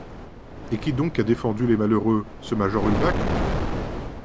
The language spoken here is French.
Et qui donc a défendu les malheureux, ce major Ulbach ?